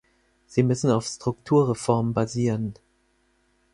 Sie müssen auf Strukturreformen basieren.